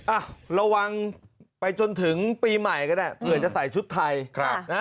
อ่ะระวังไปจนถึงปีใหม่ก็ได้เผื่อจะใส่ชุดไทยนะ